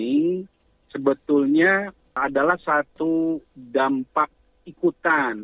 ini sebetulnya adalah satu dampak ikutan